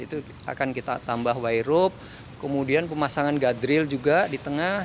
itu akan kita tambah wire roof kemudian pemasangan gadril juga di tengah